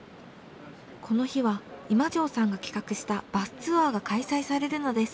この日は今城さんが企画したバスツアーが開催されるのです。